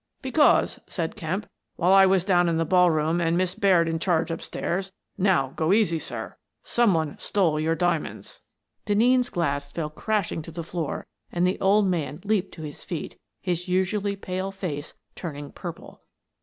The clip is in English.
" Because," said Kemp, " while I was down in the ball room and Miss Baird in charge up stairs — now, go easy, sir! — some one stole your dia monds." Denneen's glass fell crashing to the floor and the old man leaped to his feet, his usually pale face turn ing purple.